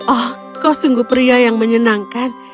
oh kau sungguh pria yang menyenangkan